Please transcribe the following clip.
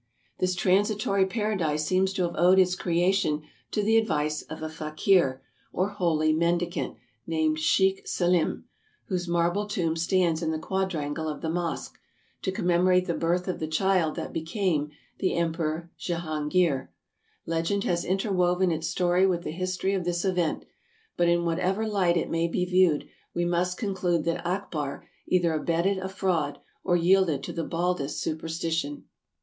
This transitory paradise seems to have owed its creation to the advice of a fakir, or holy mendicant, named Shekh Selim — whose marble tomb stands in the quadrangle of the mosque — to commemorate the birth of the child that be came the Emperor Jehangeer. Legend has interwoven its story with the history of this event, but in whatever light it may be viewed, we must conclude that Akbar either abetted a fraud or yielded to the baldest superstition.